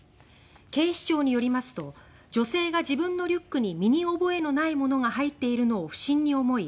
警視庁によりますと女性が自分のリュックに身に覚えのないものが入っているのを不審に思い